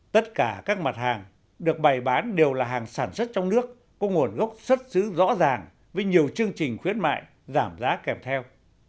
tất cả các mặt hàng được bày bán đều là hàng sản xuất trong nước có nguồn gốc xuất xứ rõ ràng với nhiều chương trình khuyến mại giảm giá kèm theo